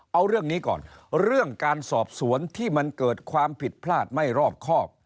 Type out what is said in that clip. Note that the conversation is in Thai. เอาเรื่องนี้ก่อนเรื่องการสอบสวนที่มันเกิดความผิดพลาดไม่รอบครอบ